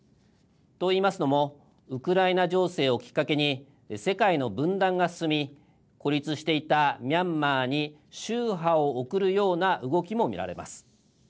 と言いますのもウクライナ情勢をきっかけに世界の分断が進み孤立していたミャンマーに秋波を送るような動きも見られます。